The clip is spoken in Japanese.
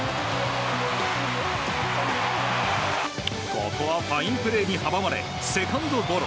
ここはファインプレーに阻まれセカンドゴロ。